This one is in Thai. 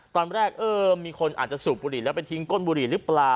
ตอนแรกเออมีคนอาจจะสูบบุหรี่แล้วไปทิ้งก้นบุหรี่หรือเปล่า